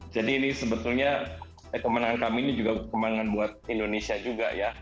jadi ini sebetulnya kemenangan kami ini juga kemenangan buat indonesia juga ya